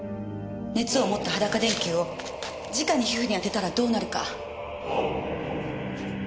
熱を持った裸電球を直に皮膚に当てたらどうなるか。